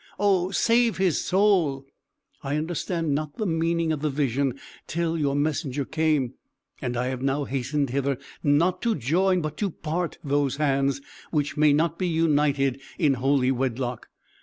Oh save his soul!' I understood not the meaning of the vision till your messenger came; and I have now hastened hither, not to join but to part those hands, which may not be united in holy wedlock.